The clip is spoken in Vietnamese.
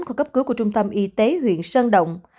của cấp cứu của trung tâm y tế huyện sơn động